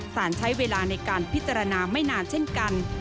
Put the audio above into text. สารใช้เวลาในการพิจารณาไม่นานเช่นกัน